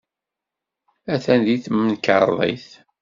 Atan deg temkarḍit.